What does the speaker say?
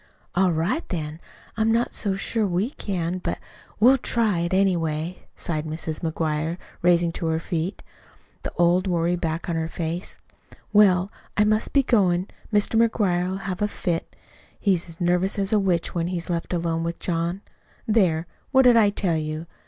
"All right, then. I'm not so sure we can, but we'll try it, anyway," sighed Mrs. McGuire, rising to her feet, the old worry back on her face. "Well, I must be goin'. Mr. McGuire'll have a fit. He's as nervous as a witch when he's left alone with John. There! What did I tell you?"